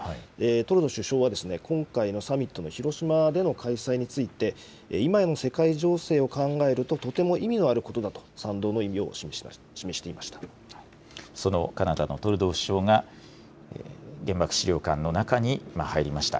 トルドー首相は今回のサミットの広島での開催について、今の世界情勢を考えるととても意味のあることだと賛同の意義を示そのカナダのトルドー首相が、原爆資料館の中に今、入りました。